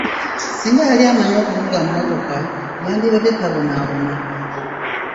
Singa yali amanyi okuvuga mmotoka, yandibadde tabonabona.